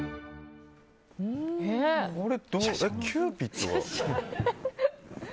キューピッドは？